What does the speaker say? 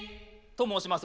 「と申します」？